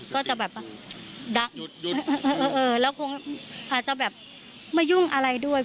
ก็จะแบบดักแล้วคงอาจจะแบบไม่ยุ่งอะไรด้วย